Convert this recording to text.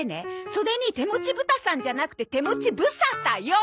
それにてもちぶたさんじゃなくて手持ち無沙汰よ！